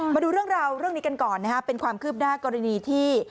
มาดูเรื่องราวเรื่องนี้กันก่อนนะครับเป็นความคืบหน้ากรณีที่